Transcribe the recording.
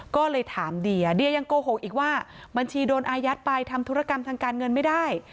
ก็เลยถามเดียเดียยังโกหกอีกว่าบัญชีโดนอายัดไปทำธุรกรรมทางการเงินไม่ได้